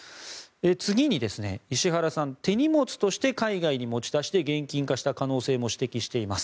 次に、石原さんは手荷物として海外に持ち出して現金化した可能性も指摘しています。